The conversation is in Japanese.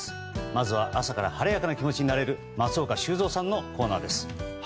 まずは朝から晴れやかな気持ちになれる松岡修造さんのコーナーです。